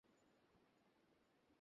অনেক ভিজে গেছি।